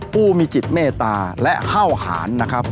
ผู้มีจิตเมตตาและเข้าหารนะครับ